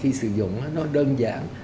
khi sử dụng nó đơn giản